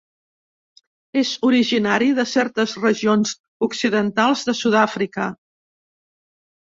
És originari de certes regions occidentals de Sud-àfrica.